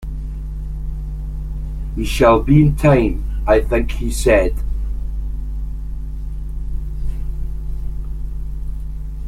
"We shall be in time, I think," he said.